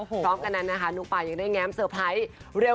พร้อมกันนั้นนะคะน้องปายังได้แง้มเซอร์ไพรส์เร็ว